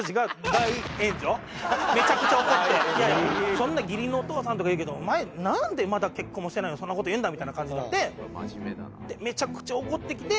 「そんな義理のお父さんとか言うけどお前なんでまだ結婚もしてないのにそんな事言うんだ」みたいな感じになってめちゃくちゃ怒ってきて。